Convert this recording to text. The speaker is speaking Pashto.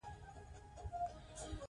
افغاني زلمیان پر میدان سرونه ږدي.